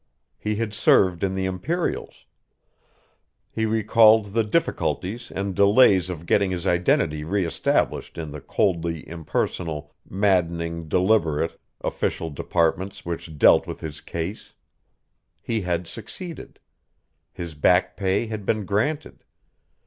He had served in the Imperials. He recalled the difficulties and delays of getting his identity reëstablished in the coldly impersonal, maddeningly deliberate, official departments which dealt with his case. He had succeeded. His back pay had been granted.